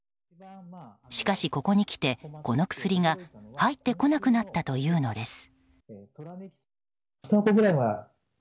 しかし、ここにきてこの薬が入ってこなくなったというのです。